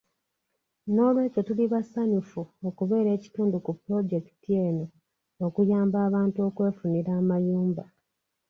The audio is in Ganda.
N'olwekyo tuli basanyufu okubeera ekitundu ku pulojekiti eno okuyamba abantu okwefunira amayumba.